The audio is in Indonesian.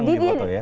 seneng dipoto ya